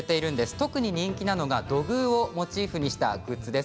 特に人気なのが土偶をモチーフにしたグッズです。